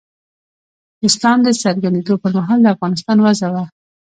د اسلام د څرګندېدو پر مهال د افغانستان وضع وه.